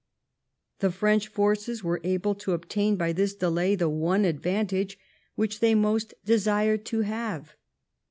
The French forces were able to obtain by this delay the one advantage which they most desired to have.